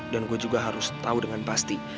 dan gue juga harus tahu dengan pasti